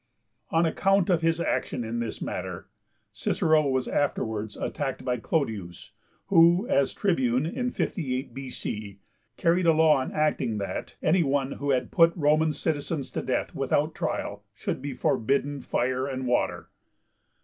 _ On account of his action in this matter, Cicero was afterwards attacked by Clodius, who, as tribune in 58 B.C., carried a law enacting that 'any one who had put Roman citizens to death without trial should be forbidden fire and water.'